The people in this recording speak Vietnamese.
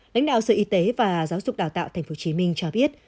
lãnh đạo sở y tế và giáo dục đào tạo tp hcm cho biết